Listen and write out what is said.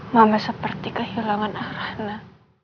mama seperti kehilangan arah